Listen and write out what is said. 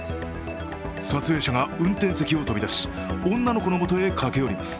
撮影者が、運転席を飛び出し、女の子の元へ駆け寄ります。